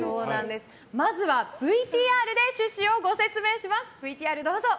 まずは、ＶＴＲで趣旨をご説明します。